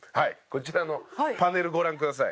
こちらのパネルご覧ください。